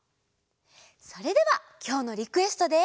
それではきょうのリクエストで。